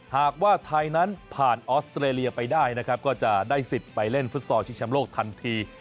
หากว่าไทยนั้นผ่านออสเตรเลียไปได้นะครับก็จะได้สิทธิ์ไปเล่นฟุตซอลชิงชำโลกทันที